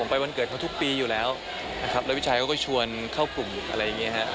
ไปวันเกิดเขาทุกปีอยู่แล้วนะครับแล้วพี่ชายเขาก็ชวนเข้ากลุ่มอะไรอย่างนี้ฮะ